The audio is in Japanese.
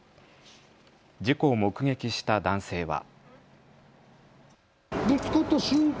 事故を目撃した男性は。